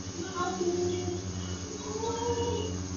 Mām mə bōt bə aboŋ.